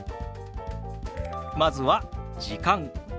まずは「時間」。